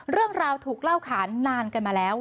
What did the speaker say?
เรื่องราวถูกเล่าขานนานกันมาแล้ว